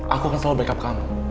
aku akan selalu backup kamu